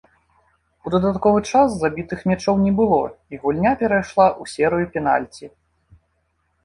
У дадатковы час забітых мячоў не было і гульня перайшла ў серыю пенальці.